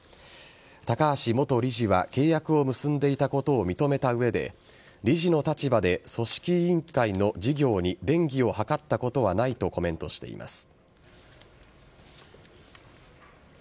高橋元理事は契約を結んでいたことを認めた上で理事の立場で組織委員会の事業に便宜を図ったことはないとコメントしています。